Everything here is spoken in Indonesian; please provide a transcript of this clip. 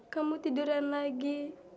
kamu tidur lagi